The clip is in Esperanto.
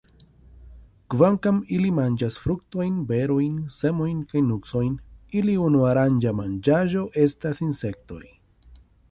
Kvankam ili manĝas fruktojn, berojn, semojn kaj nuksojn, ili unuaranga manĝaĵo estas insektoj.